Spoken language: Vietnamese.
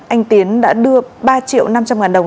anh tiến đã đưa ba triệu năm trăm linh ngàn đồng